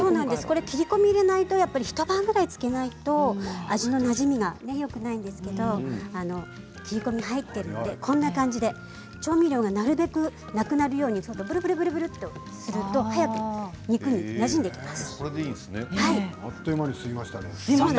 切り込みを入れないと一晩ぐらい漬けないと味なじみがよくないんですが切り込みが入っているのでこんな感じで調味料がなるべくなくなるようにぐるぐるとすると早くになじんでいきます。